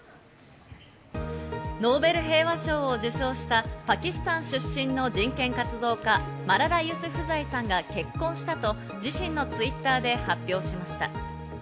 ノーベル平和賞を受賞したパキスタン出身の人権活動家、マララ・ユスフザイさんが結婚したと自身のＴｗｉｔｔｅｒで発表しました。